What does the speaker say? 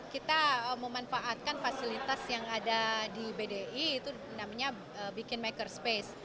kita memanfaatkan fasilitas yang ada di bdi namanya bikin makerspace